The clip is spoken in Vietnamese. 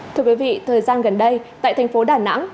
thưa quý vị thời gian gần đây tại thành phố đà nẵng